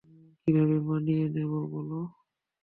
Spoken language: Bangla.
কীভাবে মানিয়ে নেব, বলো?